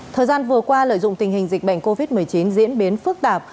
thời gian vừa qua lợi dụng tình hình dịch bệnh covid một mươi chín diễn biến phức tạp